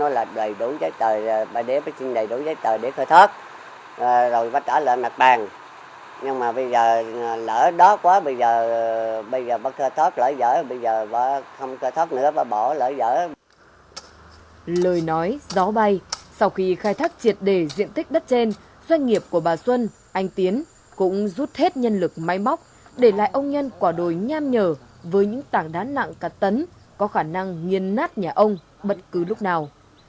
lời nói gió bay sau khi khai thác triệt đề diện tích đất trên doanh nghiệp của bà xuân anh tiến cũng rút hết nhân lực máy móc để lại ông nhân quả đồi nham nhở với những tảng đá nặng cả tấn có khả năng nghiên nát nhà ông bất cứ lúc nào